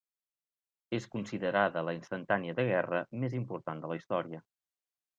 És considerada la instantània de guerra més important de la història.